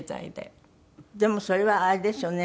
でもそれはあれですよね